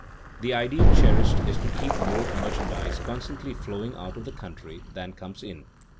The ideal cherished is to keep more merchandise constantly flowing out of the country than comes in.